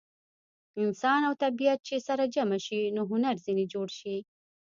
انسان او طبیعت چې سره جمع شي نو هنر ځینې جوړ شي.